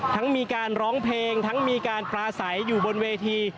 มีการร้องเพลงทั้งมีการปลาใสอยู่บนเวที